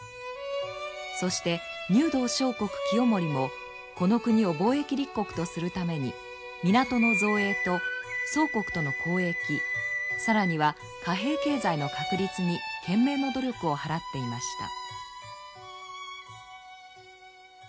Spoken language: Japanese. そして入道相国清盛もこの国を貿易立国とするために港の造営と宋国との交易更には貨幣経済の確立に懸命の努力を払っていました。